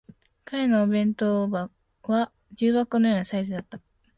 彼のお弁当は重箱のようなサイズだった